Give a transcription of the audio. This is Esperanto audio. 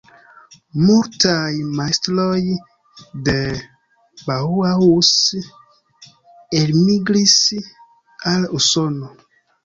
Multaj majstroj de "Bauhaus" elmigris al Usono.